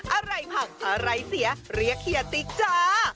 อะไรผักอะไรเสียเรียกเฮียติ๊กจ้า